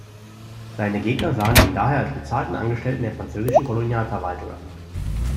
Seine Gegner sahen ihn daher als bezahlten Angestellten der französischen Kolonialverwaltung an.